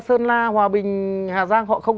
sơn la hòa bình hà giang họ không